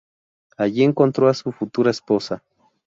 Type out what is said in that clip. Allí encontró a su futura esposa.